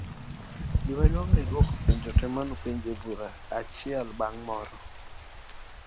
gimaduong' en ni idwoko penjo te manopenji e barua achiel bang' moro